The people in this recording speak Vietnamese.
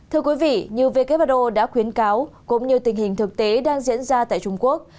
thưa quý vị như who đã khuyến cáo cũng như tình hình thực tế đang diễn ra tại trung quốc